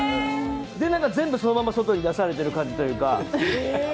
なんか全部そのまま外に出されてる感じというか。